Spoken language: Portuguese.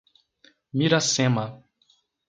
Miracema